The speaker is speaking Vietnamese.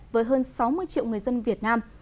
với hơn sáu mươi triệu người dân việt nam